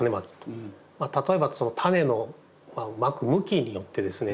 例えばタネのまく向きによってですね